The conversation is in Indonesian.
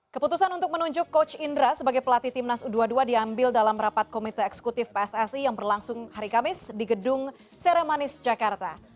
keputusan untuk menunjuk coach indra sebagai pelatih timnas u dua puluh dua diambil dalam rapat komite eksekutif pssi yang berlangsung hari kamis di gedung seremanis jakarta